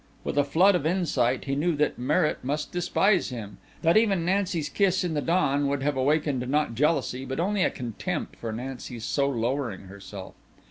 With a flood of insight he knew that Merritt must despise him, that even Nancy's kiss in the dawn would have awakened not jealousy but only a contempt for Nancy's so lowering herself.